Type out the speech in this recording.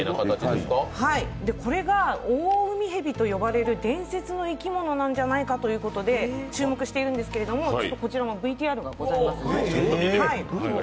これがオオウミヘビと言われる伝説の生き物じゃないかと注目しているんですけどこちらもＶＴＲがあります。